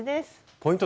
ポイント